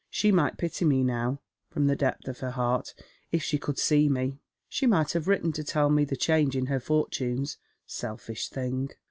She might pity me now, from the depth of her heart, if she could see me. She might have written to tell me the change in her fortunes — selfish thing.